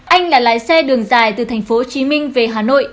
anh là lái xe đường dài từ thành phố hồ chí minh về hà nội